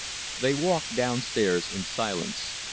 They walked downstairs in silence.